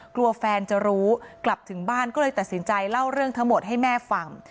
กลัวแฟนจะรู้กลับถึงบ้านก็เลยตัดสินใจเล่าเรื่องทั้งหมดให้แม่ฟัง